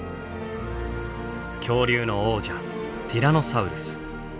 恐竜の王者ティラノサウルス。